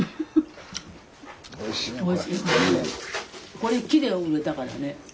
これ木で植えたからね。